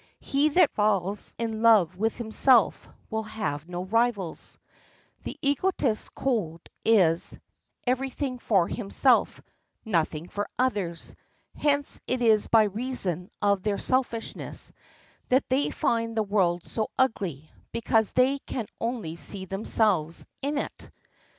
He that falls in love with himself will have no rivals. The egotist's code is, Every thing for himself, nothing for others. Hence it is by reason of their selfishness that they find the world so ugly, because they can only see themselves in it.